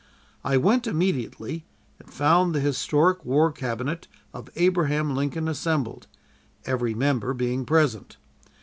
I went immediately and found the historic War Cabinet of Abraham Lincoln assembled, every member being present.